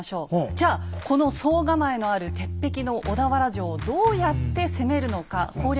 じゃあこの総構のある鉄壁の小田原城をどうやって攻めるのか攻略するのか。